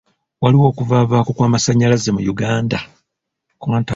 Waliwo okuvavaako kw'amasannyalaze mu Uganda.